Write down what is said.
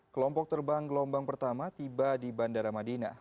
kelompok terbang gelombang pertama tiba di bandara madinah